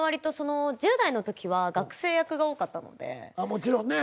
もちろんね。